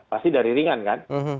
pasti dari ringan kan